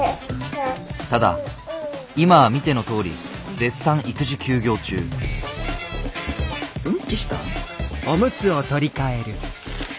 ただ今は見てのとおり絶賛育児休業中うんちした？